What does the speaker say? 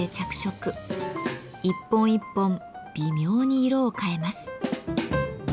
一本一本微妙に色を変えます。